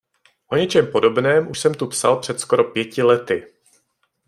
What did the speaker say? O něčem podobném už jsem tu psal před skoro pěti lety.